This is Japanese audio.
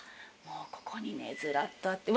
もうここにねずらっとあって。